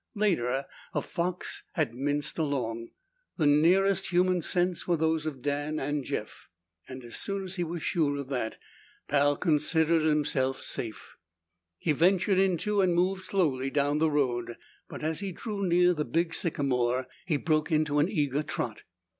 Later, a fox had minced along. The nearest human scents were those of Dan and Jeff, and as soon as he was sure of that, Pal considered himself safe. He ventured into and moved slowly down the road, but as he drew near the big sycamore he broke into an eager trot.